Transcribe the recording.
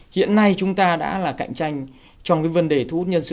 hiện nay chúng ta đã là cạnh tranh trong vấn đề thu hút nhân tài